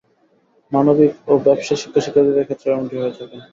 মানবিক ও ব্যবসায় শিক্ষার শিক্ষার্থীদের ক্ষেত্রেও এমনটি হয়ে থাকে।